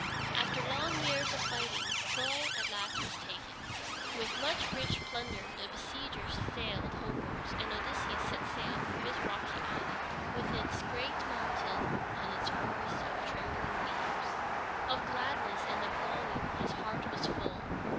After long years of fighting, Troy at last was taken. With much rich plunder the besiegers sailed homewards, and Odysseus set sail for his rocky island, with its great mountain, and its forests of trembling leaves. Of gladness and of longing his heart was full.